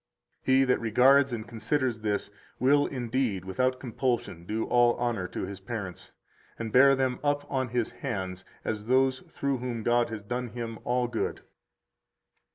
He that regards and considers this will indeed without compulsion do all honor to his parents, and bear them up on his hands as those through whom God has done him all good.